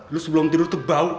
lu sebelum tidur tuh bau